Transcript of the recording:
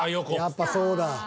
やっぱそうだ。